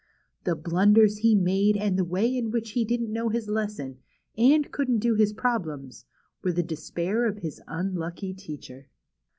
The blunders lie made, and the way in which he didn't know his lesson, and couldn't do his problems, were the despair of his unlucky teacher.